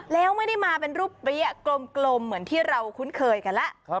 แล้วไม่ได้มาเป็นรูปเปรี้ยกลมเหมือนที่เราคุ้นเคยกันแล้ว